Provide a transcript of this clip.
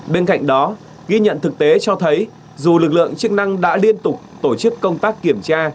bên cạnh đó ghi nhận thực tế cho thấy dù lực lượng chức năng đã liên tục tổ chức công tác kiểm tra